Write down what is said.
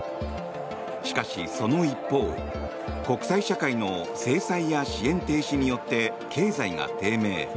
しかし、その一方国際社会の制裁や支援停止によって経済が低迷。